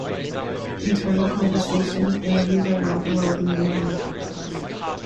Internal conversion energies are well below the main energy levels.